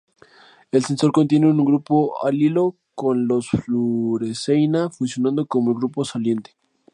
El sensor contiene un grupo alilo con la fluoresceína funcionando como el grupo saliente.